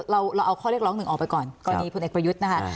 เราเอาข้อเรียกร้องหนึ่งออกไปก่อนก่อนนี้คุณเอ็กยุทธ์นะค่ะ